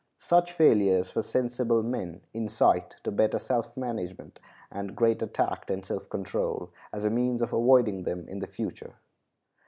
Such failures, for sensible men, incite to better self management and greater tact and self control, as a means of avoiding them in the future.